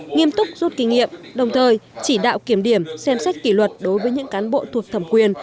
nghiêm túc rút kinh nghiệm đồng thời chỉ đạo kiểm điểm xem xét kỷ luật đối với những cán bộ thuộc thẩm quyền